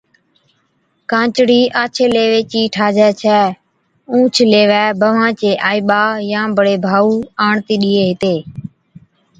ڪانچڙِي آڇي ليوي چِي ٺاھجَي ڇَي۔ اُونھچ ليوَي بھوان چي آئِي ٻا يا بڙي ڀائُو آڻتِي ڏيئي ھِتي